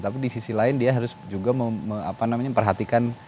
tapi di sisi lain dia harus juga memperhatikan